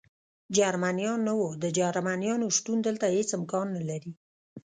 جرمنیان نه و، د جرمنیانو شتون دلته هېڅ امکان نه لري.